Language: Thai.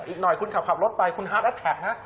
อีกหน่อยคุณขับรถไปคุณฮาร์ดแอดแท็กนะ